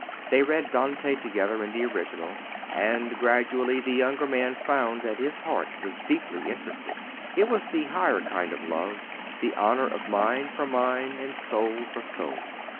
They read Dante together in the original, and gradually the younger man found that his heart was deeply interested. It was the higher kind of love, the honor of mind for mind and soul for soul.